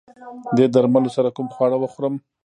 دې درملو سره کوم خواړه وخورم؟